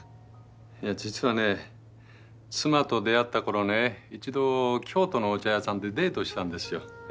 いや実はね妻と出会った頃ね一度京都のお茶屋さんでデートしたんですよ。